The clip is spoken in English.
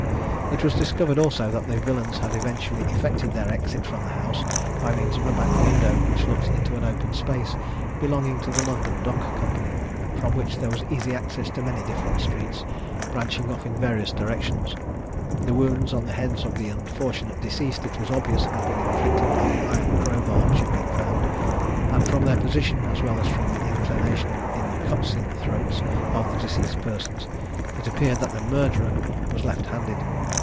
It was discovered, also, that the villains had eventually effected their exit from the house by means of a back window which looked into an open space belonging to the London Dock Company, from which there was easy access to many different streets branching off in various directions. The wounds on the heads of the unfortunate deceased, it was obvious, had been inflicted by the iron crow bar which had been found; and from their position, as well as from the inclination in the cuts in the throats of the deceased persons, it appeared that the murderer was left handed.